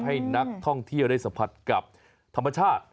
ให้นักท่องเที่ยวได้สัมผัสกับธรรมชาติ